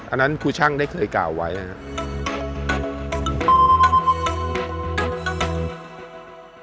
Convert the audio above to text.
อันนั้นครูช่างได้เคยกล่าวไว้นะครับ